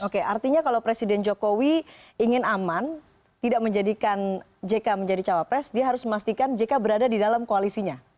oke artinya kalau presiden jokowi ingin aman tidak menjadikan jk menjadi cawapres dia harus memastikan jk berada di dalam koalisinya